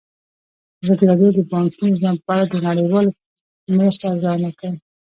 ازادي راډیو د بانکي نظام په اړه د نړیوالو مرستو ارزونه کړې.